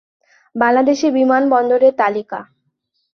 বাংলাদেশের বিমানবন্দরের তালিকা